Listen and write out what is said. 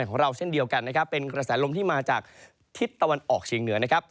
ของเราเช่นเดียวกันนะครับเป็นกระแสลมที่มาจากทิศตะวันออกเชียงเหนือนะครับ